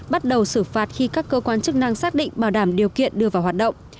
bắt đầu xử phạt khi các cơ quan chức năng xác định bảo đảm điều kiện đưa vào hoạt động